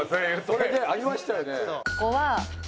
それねありましたよね。